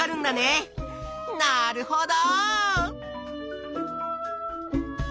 なるほど！